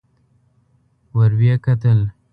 ور ويې کتل.